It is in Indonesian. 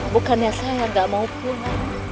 bukannya saya nggak mau pulang